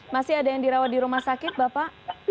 masih ada yang dirawat di rumah sakit bapak